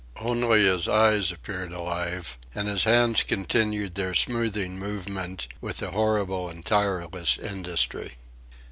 Only his eyes appeared alive and his hands continued their smoothing movement with a horrible and tireless industry.